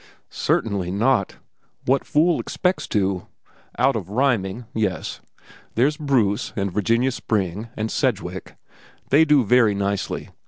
"Certainly not. What fool expects to? Out of rhyming, yes. There's Bruce, and Virginia Spring, and Sedgwick. They do very nicely.